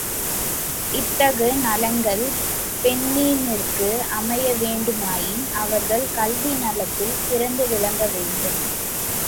இத்தகு நலன்கள் பெண்ணினித்திற்கு அமைய வேண்டுமாயின் அவர்கள் கல்வி நலத்தில் சிறந்து விளங்க வேண்டும்.